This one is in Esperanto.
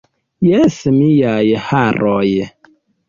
Jes, miaj haroj.